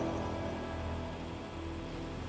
kau dan saya ini ada ikatan